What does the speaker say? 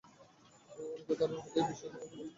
অনেকের ধারণা মতে, এই বিশরই কুরআনে বর্ণিত যুল-কিফল।